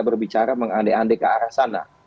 berbicara mengandek andek ke arah sana